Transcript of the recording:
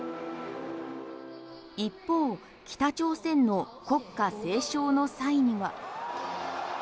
一方北朝鮮の国歌斉唱の際には。